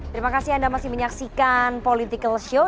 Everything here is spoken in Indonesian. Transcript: terima kasih anda masih menyaksikan political show